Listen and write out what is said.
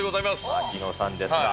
槙野さんですか。